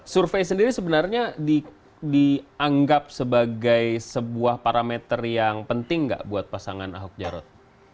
survei sendiri sebenarnya dianggap sebagai sebuah parameter yang penting nggak buat pasangan ahok jarot